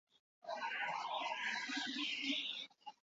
Batez ere, gure ongizatea besteen miseriaren gainean eraikia dagoenean.